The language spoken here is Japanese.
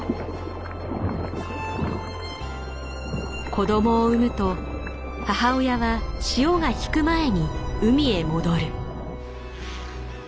子供を産むと母親は潮が引く前に海へ戻る。